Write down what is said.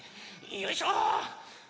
よいしょ。